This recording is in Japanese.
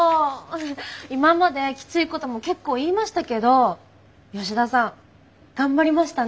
今まできついことも結構言いましたけど吉田さん頑張りましたね。